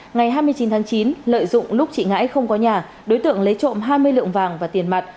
ngày hai mươi chín tháng chín lợi dụng lúc chị ngã không có nhà đối tượng lấy trộm hai mươi lượng vàng và tiền mặt